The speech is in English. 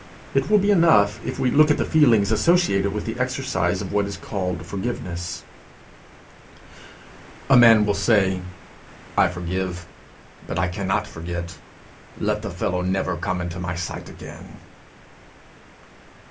It will be enough if we look at the feelings associated with the exercise of what is called forgiveness. A man will say: "I forgive, but I cannot forget. Let the fellow never come in my sight again."